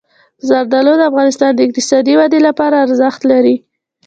زردالو د افغانستان د اقتصادي ودې لپاره ارزښت لري.